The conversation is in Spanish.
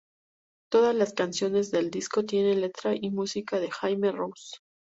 Todas las canciones del disco tienen letra y música de Jaime Roos.